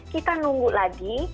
kita nunggu lagi